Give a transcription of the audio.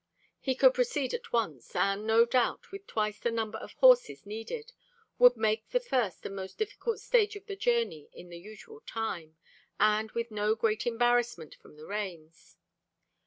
He could proceed at once; and, no doubt, with twice the number or horses needed, would make the first and most difficult stage of the journey in the usual time, and with no great embarrassment from the rains.